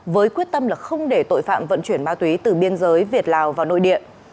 với quyết tâm là không để tội phạm vận chuyển ma túy từ biên giới việt lào vào nội địa